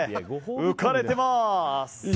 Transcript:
浮かれてます！